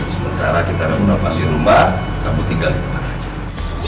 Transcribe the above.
sementara kita renovasi rumah kamu tinggal di rumah raja